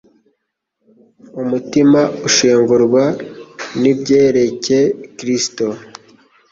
umutima ushengurwa n'ibyerekcye Kristo;